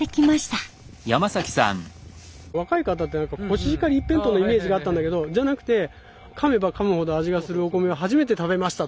若い方ってコシヒカリ一辺倒のイメージがあったんだけどじゃなくて「かめばかむほど味がするお米は初めて食べました」とか。